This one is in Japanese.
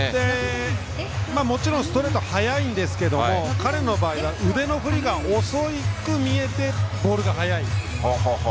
もちろん、ストレート速いんですけれども彼の場合、腕の振りが遅く見えてボールが速い。